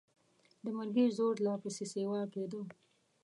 د مرګي زور لا پسې سیوا کېده.